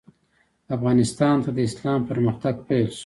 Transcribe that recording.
افغانستان ته د اسلام پرمختګ پیل شو.